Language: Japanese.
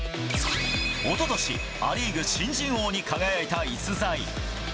おととし、ア・リーグ新人王に輝いた逸材。